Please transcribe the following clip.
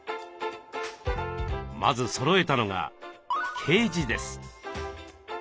まずそろえたのがケージです。